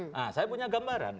nah saya punya gambaran